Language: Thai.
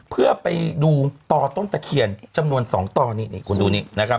เพื่อไปดูต่อต้นตะเคียนจำนวน๒ต้อนี่คุณดูนี่